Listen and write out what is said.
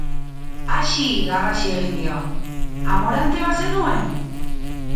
Axi garrasi egin dio, amorante bat zenuen?!.